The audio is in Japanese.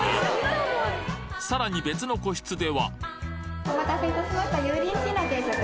さらに別の個室ではお待たせいたしました。